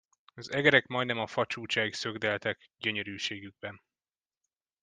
Az egerek majdnem a fa csúcsáig szökdeltek gyönyörűségükben.